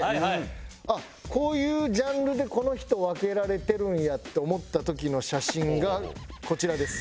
あっこういうジャンルでこの人分けられてるんやって思った時の写真がこちらです。